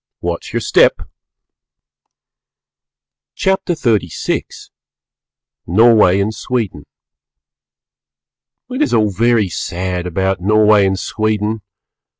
Watch your Steppe! CHAPTER XXXVI NORWAY AND SWEDEN It is all very sad about Norway and Sweden!